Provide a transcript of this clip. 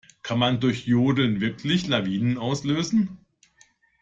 Kann man durch Jodeln wirklich Lawinen auslösen?